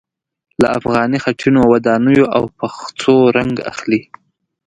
له افغاني خټينو ودانیو او پخڅو رنګ اخلي.